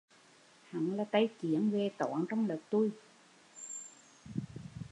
Hắn là tay chiến về toán trong lớp tui